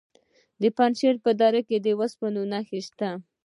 د پنجشیر په دره کې د اوسپنې نښې شته.